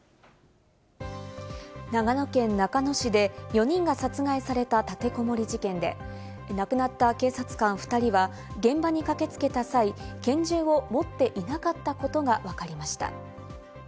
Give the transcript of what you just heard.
長野県中野市で４人が殺害された立てこもり事件で、亡くなった警察官２人は現場に駆けつけた際、拳銃を持っていなかったことがわかりました。